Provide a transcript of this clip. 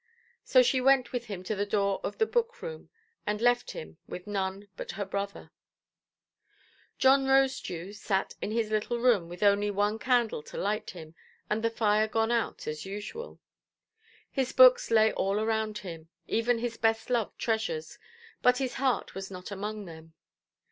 So she went with him to the door of the book–room, and left him with none but her brother. John Rosedew sat in his little room, with only one candle to light him, and the fire gone out as usual: his books lay all around him, even his best–loved treasures, but his heart was not among them.